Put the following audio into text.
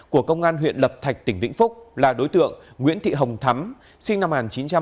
của công an huyện lập thạch tỉnh vĩnh phúc là đối tượng nguyễn thị hồng thắm sinh năm một nghìn chín trăm tám mươi